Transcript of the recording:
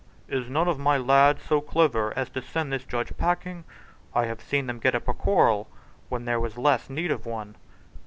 "Is none of my lads so clever as to send this judge packing? I have seen them get up a quarrel when there was less need of one."